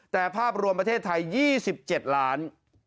แต่ภาพรวมประเทศไทย๒๗ล้าน